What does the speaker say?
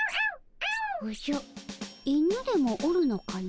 おじゃ犬でもおるのかの？